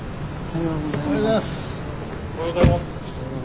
・おはようございます。